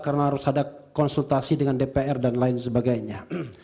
karena harus ada konsultasi dengan dpr dan lain sebagainya